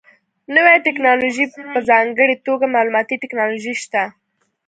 نوې ټکنالوژي په ځانګړې توګه معلوماتي ټکنالوژي شته.